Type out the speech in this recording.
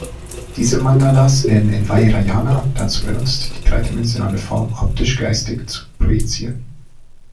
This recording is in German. Diese Mandalas werden im Vajrayana dazu benutzt, die dreidimensionale Form optisch-geistig zu projizieren.